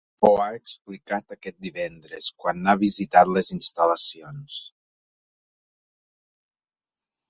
Ho ha explicat aquest divendres, quan n’ha visitat les instal·lacions.